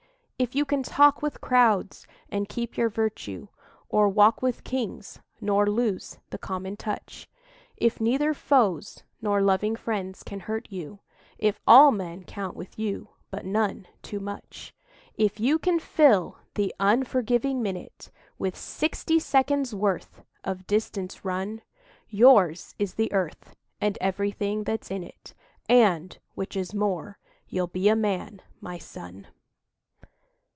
If you can talk with crowds and keep your virtue, Or walk with Kings nor lose the common touch, If neither foes nor loving friends can hurt you, If all men count with you, but none too much; If you can fill the unforgiving minute With sixty seconds' worth of distance run, Yours is the Earth and everything that's in it, And which is more you'll be a Man, my son!